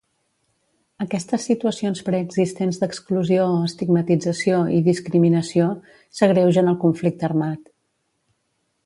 Aquestes situacions preexistents d’exclusió, estigmatització i discriminació, s’agreugen al conflicte armat.